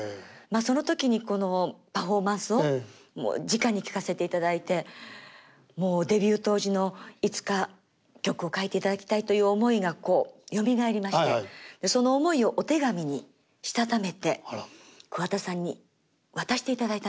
その時にこのパフォーマンスをじかに聴かせていただいてもうデビュー当時のいつか曲を書いていただきたいという思いがよみがえりましてその思いをお手紙にしたためて桑田さんに渡していただいたんです。